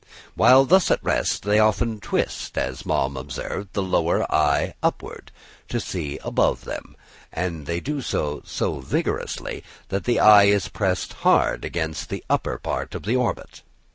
While thus at rest they often twist, as Malm observed, the lower eye upward, to see above them; and they do this so vigorously that the eye is pressed hard against the upper part of the orbit.